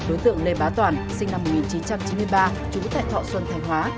đối tượng lê bá toàn sinh năm một nghìn chín trăm chín mươi ba trú tại thọ xuân thành hóa